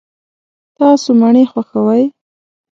تاسو مڼې خوښوئ؟